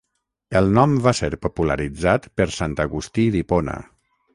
El nom va ser popularitzat per Sant Agustí d'Hipona.